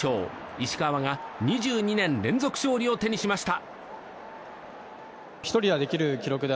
石川が２２年連続勝利を手にしました。